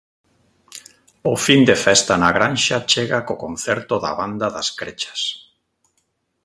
O fin de festa na Granxa chega co concerto da Banda das Crechas.